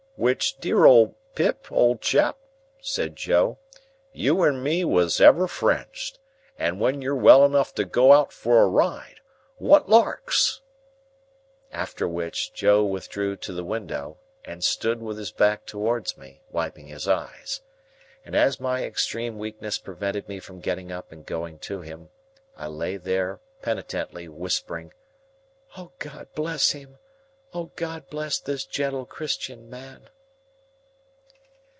"Which dear old Pip, old chap," said Joe, "you and me was ever friends. And when you're well enough to go out for a ride—what larks!" After which, Joe withdrew to the window, and stood with his back towards me, wiping his eyes. And as my extreme weakness prevented me from getting up and going to him, I lay there, penitently whispering, "O God bless him! O God bless this gentle Christian man!"